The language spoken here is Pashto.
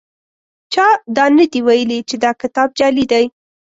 چا دا نه دي ویلي چې دا کتاب جعلي دی.